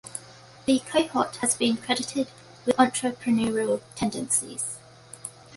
The cohort has been credited with entrepreneurial tendencies.